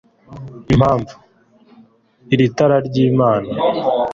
impamvu, iri tara ryimana